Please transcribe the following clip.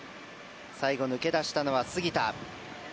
最後、抜け出したのは杉田。